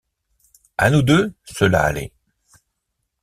À nous deux, cela allait.